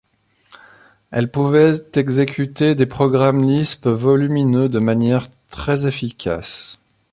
Elles pouvaient exécuter des programmes Lisp volumineux de manière très efficace.